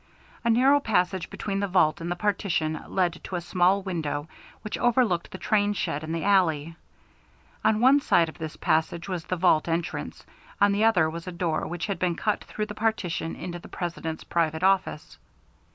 A narrow passage between the vault and the partition led to a small window which overlooked the train shed and the alley. On one side of this passage was the vault entrance, on the other was a door which had been cut through the partition into the President's private office.